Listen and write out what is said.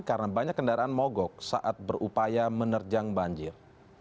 karena banyak kendaraan mogok saat berupaya menerjang banjir